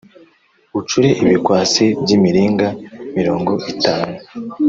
Ucure ibikwasi by imiringa mirongo itanu